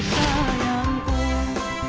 fix banget kan